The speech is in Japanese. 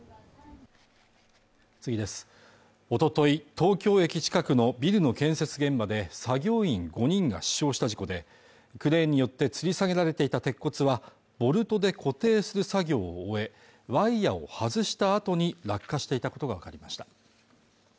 東京駅近くのビルの建設現場で作業員５人が死傷した事故でクレーンによってつり下げられていた鉄骨はボルトで固定する作業を終えワイヤを外したあとに落下していたことが分かりました